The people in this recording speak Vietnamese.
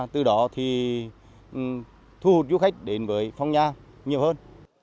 từ đó thì thu hút du khách đến với phong nha nhiều hơn